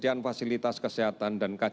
di mana sebatas perusahaan selama ini